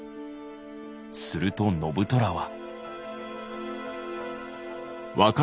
すると信虎は。